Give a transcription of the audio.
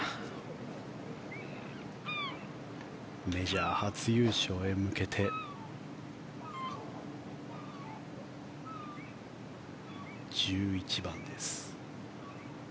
メジャー初優勝へ向けて１１番です。